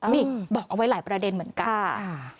นี่บอกเอาไว้หลายประเด็นเหมือนกัน